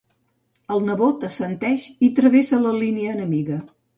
El nebot assenteix i travessa la línia enemiga.